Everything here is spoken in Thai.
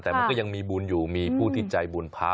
แต่มันก็ยังมีบุญอยู่มีผู้ที่ใจบุญพระ